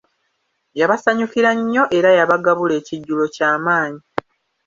Yabasanyukira nnyo era yabagabula ekijjulo kyamanyi.